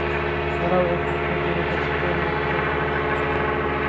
দাঁড়াও এক মিনিট, তোমাকে চেনা চেনা লাগছে যে?